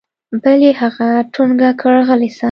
بل يې هغه ټونګه کړ غلى سه.